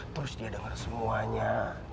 terus dia dengar semuanya